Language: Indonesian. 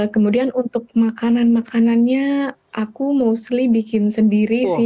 kemudian untuk makanan makanannya aku mostly bikin sendiri sih